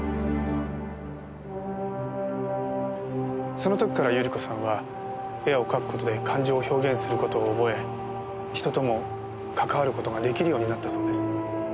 その時から百合子さんは絵を描く事で感情を表現する事を覚え人とも関わる事が出来るようになったそうです。